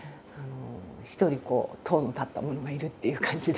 一人こう薹の立った者がいるっていう感じで。